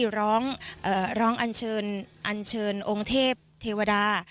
ร้องร้องอันเชิญอันเชิญองค์เทพเทวดา